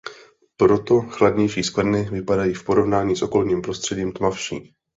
Proto chladnější skvrny vypadají v porovnání s okolním prostředním tmavší.